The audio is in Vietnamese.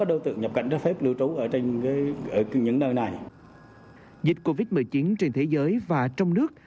đối tượng nhập cảnh trái phép lưu trú ở trên những nơi này dịch covid một mươi chín trên thế giới và trong nước